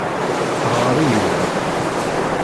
Ɣer-iyi-d.